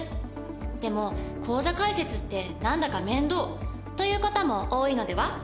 でも口座開設ってなんだか面倒という方も多いのでは？